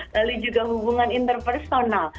lalu juga hubungan interpersonal